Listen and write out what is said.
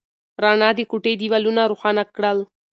رڼا د کوټې دیوالونه روښانه کړل.